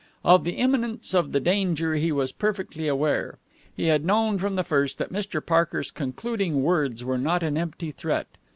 Of the imminence of the danger he was perfectly aware. He had known from the first that Mr. Parker's concluding words were not an empty threat.